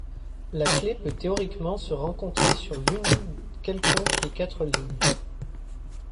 La clef peut théoriquement se rencontrer sur l'une quelconque des quatre lignes.